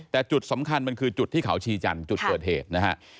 แต่จุดสำคัญมันคือจุดที่เขาชีจันทร์จุดเกิดเหตุนะฮะ